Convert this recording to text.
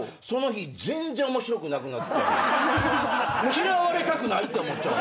嫌われたくないって思っちゃう。